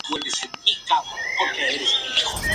Acepta media sombra.